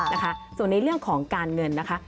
นะคะส่วนในเรื่องของการเงินนะคะ